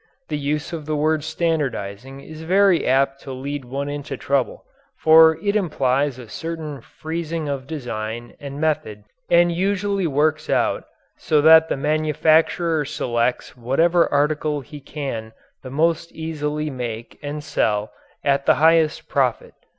The use of the word "standardizing" is very apt to lead one into trouble, for it implies a certain freezing of design and method and usually works out so that the manufacturer selects whatever article he can the most easily make and sell at the highest profit.